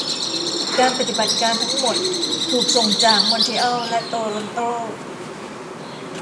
การปฏิบัติการทั้งหมดถูกส่งจาก มอนทรีอัล และ โตรอนโต